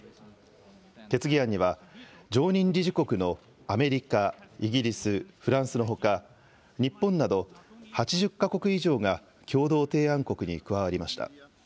決議案には常任理事国のアメリカ、イギリス、フランスのほか日本など８０か国以上が共同提案国に加わりました。